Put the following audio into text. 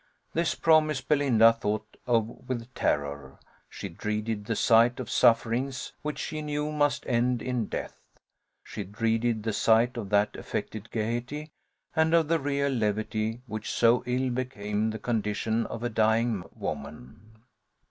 This promise Belinda thought of with terror: she dreaded the sight of sufferings which she knew must end in death: she dreaded the sight of that affected gaiety and of that real levity which so ill became the condition of a dying woman.